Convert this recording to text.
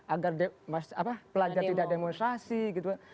agar pelajar tidak demonstrasi gitu kan